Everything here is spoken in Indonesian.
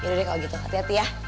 udah deh kalau gitu hati hati ya